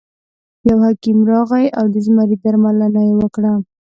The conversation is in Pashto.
یو حکیم راغی او د زمري درملنه یې وکړه.